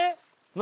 何？